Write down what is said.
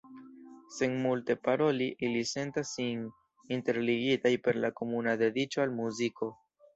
Sen multe paroli, ili sentas sin interligitaj per la komuna dediĉo al muziko.